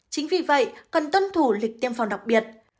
chính vì vậy cần tuân thủ lịch tiêm phòng đặc biệt